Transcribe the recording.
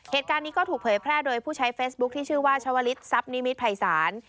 เหตุการณ์นี้ก็ถูกเผยแพร่โดยผู้ใช้เฟซบุ๊คที่ชื่อว่าชาวลิศทรัพย์นิมิตภัยศาล